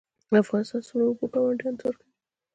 افغانستان څومره اوبه ګاونډیانو ته ورکوي؟